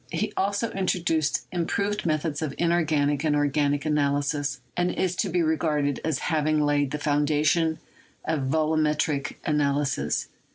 He also introduced im proved methods of inorganic and organic analysis, and is to be regarded as having laid the foundations of volumet ric analysis.